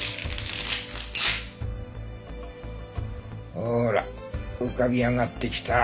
ほら浮かび上がってきた。